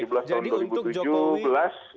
jadi untuk jokowi